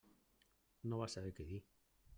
No va saber què dir.